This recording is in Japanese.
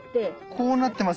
こうなってますよね。